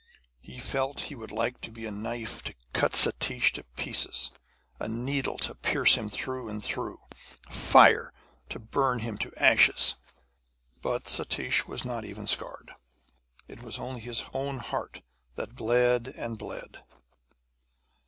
He felt he would like to be a knife to cut Satish to pieces; a needle to pierce him through and through; a fire to burn him to ashes. But Satish was not even scarred. It was only his own heart that bled and bled.